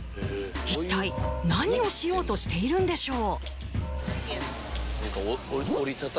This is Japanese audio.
一体何をしようとしているんでしょう？